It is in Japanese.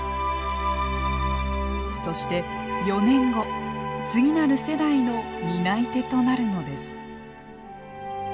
そして４年後次なる世代の担い手となるのです。